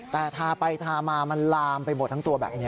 แต่ทาไปทามามันลามไปหมดทั้งตัวแบบนี้